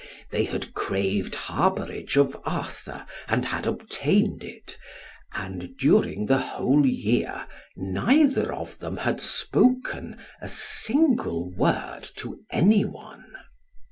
They had craved harbourage of Arthur, and had obtained it; and during the whole year, neither of them had spoken a single word to any one.